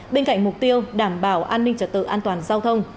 bên cạnh mục tiêu đảm bảo an ninh trật tự an toàn giao thông